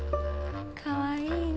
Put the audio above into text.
かわいいね。